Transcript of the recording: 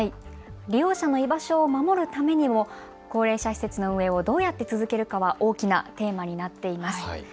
利用者の居場所を守るためにも高齢者施設の運営をどうやって続けるかは大きなテーマになっています。